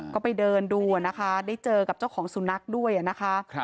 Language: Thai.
ก็ไปเดินดูนะคะได้เจอกับเจ้าของสุนัขด้วยนะคะ